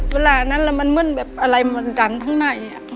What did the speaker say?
เวลานั้นมันเหมือนอะไรมันดันข้างใน